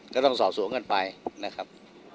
ก็ต้องสอบสวนกันไปนะครับ